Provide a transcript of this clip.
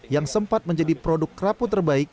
yang sempat menjadi produk kerapu terbaik